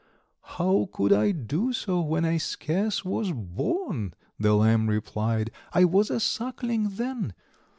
"How could I do so, when I scarce was born?" The Lamb replied; "I was a suckling then."